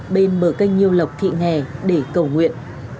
bên bờ cây nhiêu lọc thị nghè để cầu nguyện